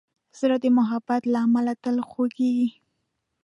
زړه د محبت له امله تل خوږېږي.